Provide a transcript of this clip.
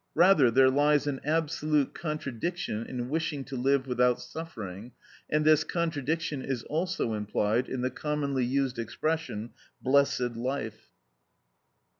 Rather, there lies an absolute contradiction in wishing to live without suffering, and this contradiction is also implied in the commonly used expression, "blessed life."